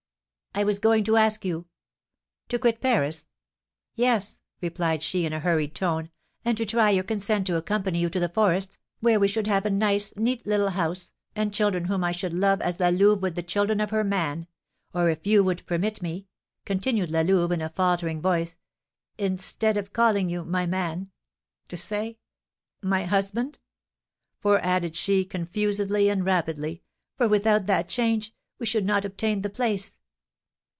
"I was going to ask you." "To quit Paris?" "Yes," replied she, in a hurried tone; "and to try your consent to accompany you to the forests, where we should have a nice, neat little house, and children whom I should love as La Louve would the children of her man or, if you would permit me," continued La Louve, in a faltering voice, "instead of calling you 'my man,' to say 'my husband?' For," added she, confusedly and rapidly, "for without that change, we should not obtain the place."